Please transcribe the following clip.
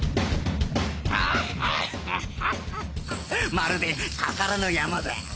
まるで宝の山だ！